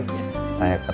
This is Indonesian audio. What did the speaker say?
oke sampai lagi lagi